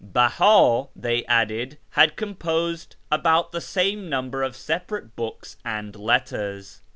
Beha, they added, had composed about the same number of separate books and letters.